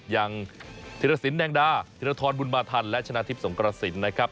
อย่างธิรสินแดงดาธิรทรบุญมาธันและชนะทิพย์สงกระสินนะครับ